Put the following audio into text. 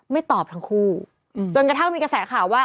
ตอบทั้งคู่จนกระทั่งมีกระแสข่าวว่า